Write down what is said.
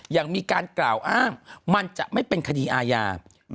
อย่างมีการกล่าวอ้างมันจะไม่เป็นคดีอาญา